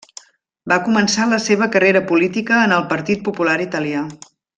Va començar la seva carrera política en el Partit Popular Italià.